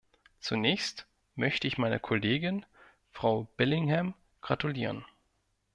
Zunächst möchte ich meiner Kollegin Frau Billingham gratulieren.